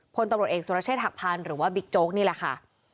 พลตำรวจเอกสุรเชษฐหักพันธ์หรือว่าบิ๊กโจ๊กนี่แหละค่ะ